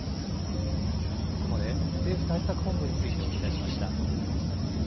ここまで政府対策本部についてお伝えしました。